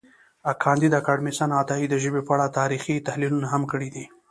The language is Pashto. کانديد اکاډميسن عطایي د ژبې په اړه تاریخي تحلیلونه هم کړي دي.